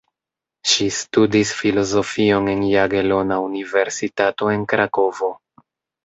Ŝi studis filozofion en Jagelona Universitato en Krakovo.